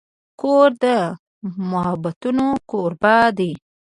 کور د محبتونو کوربه دی.